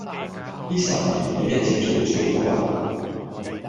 呢十年你一直做豬肉佬呀？